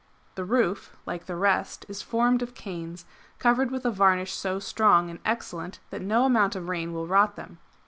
] The roof, like the rest, is formed of canes, covered with a varnish so strong and excellent that no amount of rain will rot them.